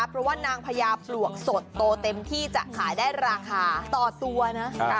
เพราะว่านางพญาปลวกสดโตเต็มที่จะขายได้ราคาต่อตัวนะ